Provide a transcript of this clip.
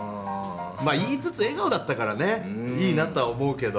まあ言いつつ笑顔だったからねいいなとは思うけど。